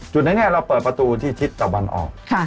จุดนี้เราเปิดประตูที่ทิศตะวันออก